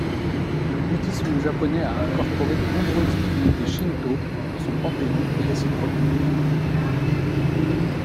Le bouddhisme japonais a incorporé de nombreuses divinités shintō dans son panthéon et réciproquement.